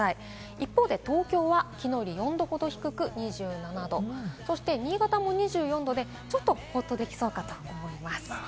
一方で東京はきのうより４度ほど低く２７度、新潟も２４度で、ちょっとほっとできそうかと思います。